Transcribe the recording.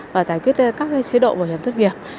và giải quyết các chế độ bảo hiểm thất nghiệp